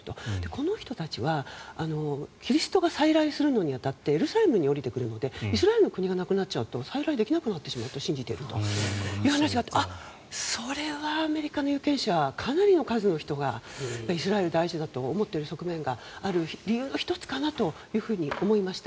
この人たちはキリストが再来するのに当たってエルサレムに下りてくるのでイスラエルという国がなくなると再来できなくなると信じているという話があってあっ、それはアメリカの有権者かなりの数の人がイスラエル大事だと思っている側面がある理由の１つかなと思いました。